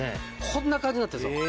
こんな感じになってるんですよ。